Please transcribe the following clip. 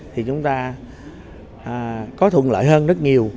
thì chúng ta có thuận lợi hơn rất nhiều